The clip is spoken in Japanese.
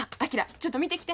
ちょっと見てきて。